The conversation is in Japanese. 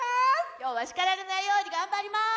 今日は叱られないように頑張ります。